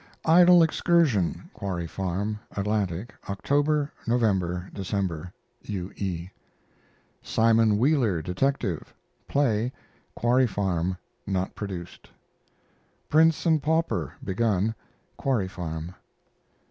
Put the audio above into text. IDLE EXCURSION (Quarry Farm) Atlantic, October, November, December. U. E. SIMON WHEELER, DETECTIVE play (Quarry Farm) (not produced). PRINCE AND PAUPER begun (Quarry Farm).